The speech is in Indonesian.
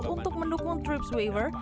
untuk mendukung trips waiver